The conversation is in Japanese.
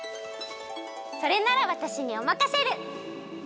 それならわたしにおまかシェル！